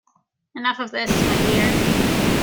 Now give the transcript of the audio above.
Enough of this, my dear!